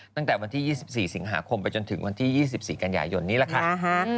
ตั้งแต่วันที่๒๔สิงหาคมไปจนถึงวันที่๒๔กันยายนนี่แหละค่ะ